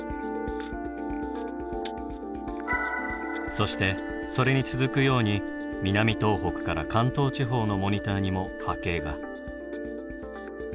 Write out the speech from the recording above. そしてそれに続くように南東北から関東地方のモニターにも波形が。